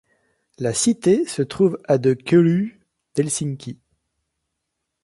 La cité se trouve à de Keuruu, d'Helsinki.